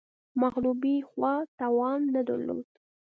مغلوبې خوا توان نه درلود